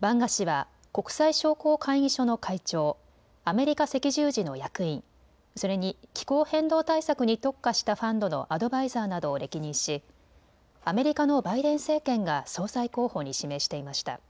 バンガ氏は国際商工会議所の会長、アメリカ赤十字の役員、それに気候変動対策に特化したファンドのアドバイザーなどを歴任しアメリカのバイデン政権が総裁候補に指名していました。